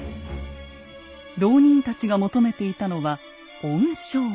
牢人たちが求めていたのは恩賞。